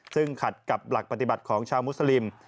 ซึ่งขัดกับหลักปฏิบัติของชาวมุสลิม